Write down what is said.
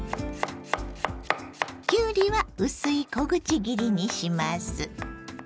きゅうりは薄い小口切りにします。